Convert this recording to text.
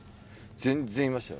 全然いましたよ